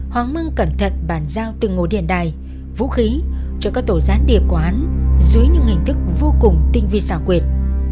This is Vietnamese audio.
hoàng mưng cẩn thận bàn giao từng ngôi điện đài vũ khí cho các tổ gián điệp quán dưới những hình thức vô cùng tinh vi xảo quyệt